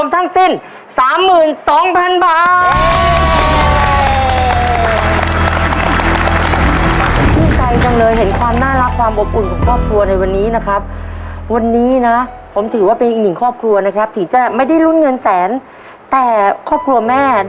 แตกมือกันมาแล้วนะขอพลังกันมาแล้วนะ